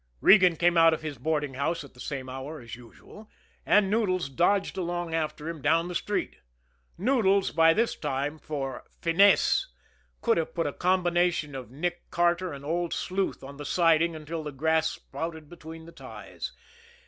Regan came out of his boarding house at the same hour as usual, and Noodles dodged along after him down the street Noodles by this time, for finesse, could have put a combination of Nick Carter and Old Sleuth on the siding until the grass sprouted between the ties.